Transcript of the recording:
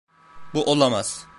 Bu olamaz.